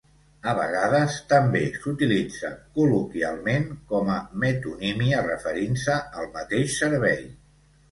A vegades també s'utilitza col·loquialment com a metonímia referint-se al mateix servei.